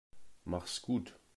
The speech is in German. Mach's gut.